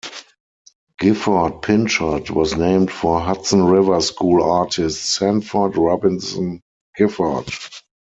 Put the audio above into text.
Gifford Pinchot was named for Hudson River School artist Sanford Robinson Gifford.